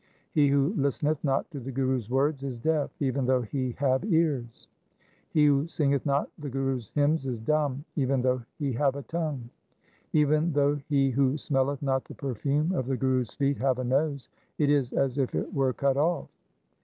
He who listeneth not to the Guru's words is deaf, even though he have ears. He who singeth not the Guru's hymns is dumb, even though he have a tongue. Even though he who smelleth not the perfume of the Guru's feet have a nose, it is as if it were cut off.